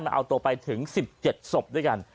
มันเอาตัวไปถึง๑๗ศพด้วยกัน